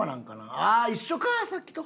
ああ一緒かさっきと。